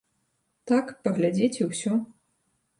Так, паглядзець, і ўсё.